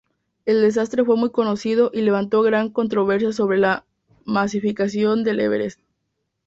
El desastre fue muy conocido y levantó gran controversia sobre la masificación del Everest.